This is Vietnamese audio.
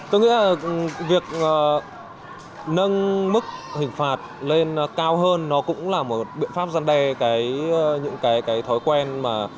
tôi nghĩ việc nâng mức hình phạt lên cao hơn nó cũng là một biện pháp giăn đài những thói quen